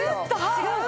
違う？